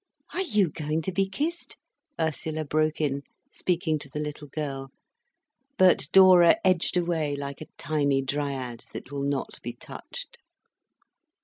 "Are you going to be kissed?" Ursula broke in, speaking to the little girl. But Dora edged away like a tiny Dryad that will not be touched.